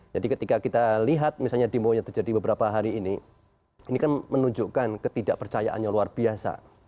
jadi ketika kita lihat misalnya demo yang terjadi beberapa hari ini ini kan menunjukkan ketidakpercayaannya luar biasa